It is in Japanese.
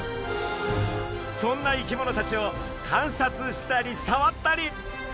そんな生き物たちを観察したり触ったり。